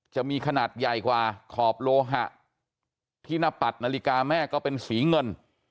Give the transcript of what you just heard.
จะมีขนาดใหญ่กว่าขอบโลหะที่หน้าปัดนาฬิกาแม่ก็เป็นสีเงิน